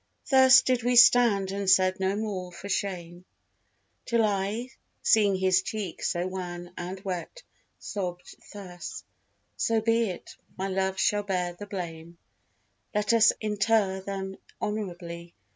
Thus did we stand and said no more for shame Till I, seeing his cheek so wan and wet, Sobbed thus: "So be it; my love shall bear the blame; Let us inter them honourably."